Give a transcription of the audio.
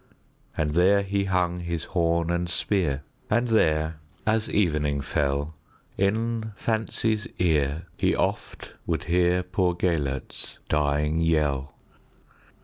And there he hung his horn and spear, And there, as evening fell, In fancy's ear he oft would hearPoor Gêlert's dying yell.